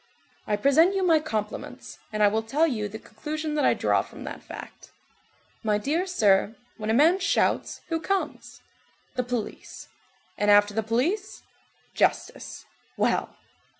I present you my compliments, and I will tell you the conclusion that I draw from that fact: My dear sir, when a man shouts, who comes? The police. And after the police? Justice. Well!